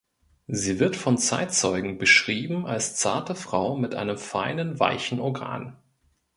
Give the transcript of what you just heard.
Sie wird von Zeitzeugen beschrieben als zarte Frau mit einem feinen weichen Organ.